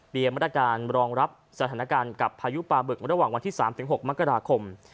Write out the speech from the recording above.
มาตรการรองรับสถานการณ์กับพายุปลาบึกระหว่างวันที่๓๖มกราคม